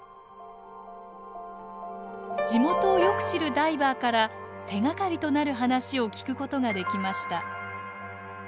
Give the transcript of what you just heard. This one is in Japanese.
地元をよく知るダイバーから手がかりとなる話を聞くことができました。